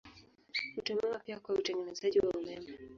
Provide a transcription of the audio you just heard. Hutumiwa pia kwa utengenezaji wa umeme.